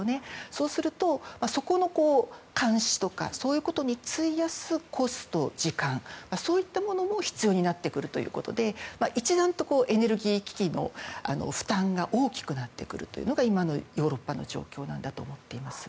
そうすると、そこの監視とかそういうことに費やすコスト、時間、そういったものも必要になってくるということで一段とエネルギー危機の負担が大きくなってくるというのが今のヨーロッパの状況なんだと思っています。